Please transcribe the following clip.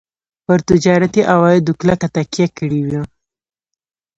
پر تجارتي عوایدو کلکه تکیه کړې وه.